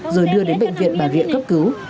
rồi đưa đến bệnh viện bản địa cấp cứu